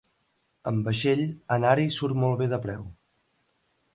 Amb vaixell, anar-hi surt molt bé de preu.